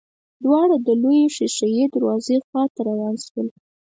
دواړه د لويې ښېښه يي دروازې خواته روان شول.